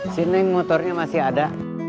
sini motornya masih ada